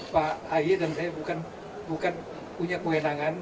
pak ahy dan saya bukan punya kewenangan